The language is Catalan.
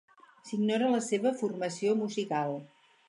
S'ignora la seva formació musical.